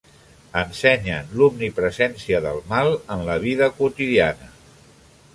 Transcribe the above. Ensenyen l'omnipresència del mal en la vida quotidiana.